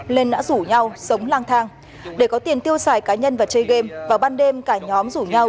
nên đã rủ nhau sống lang thang để có tiền tiêu xài cá nhân và chơi game vào ban đêm cả nhóm rủ nhau